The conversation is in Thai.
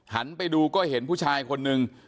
หันไปดูก็เห็นผู้ชายคนนึง